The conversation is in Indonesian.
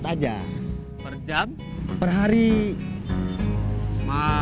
saya mau ngomong soal dik dik